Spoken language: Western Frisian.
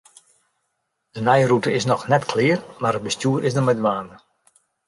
De nije rûte is noch net klear, mar it bestjoer is der mei dwaande.